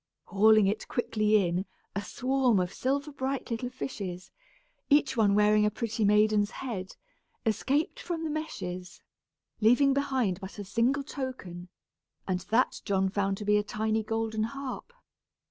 Hauling it quickly in, a swarm of silver bright little fishes, each one wearing a pretty maiden's head, escaped from the meshes, leaving behind but a single token, and that John found to be a tiny golden harp.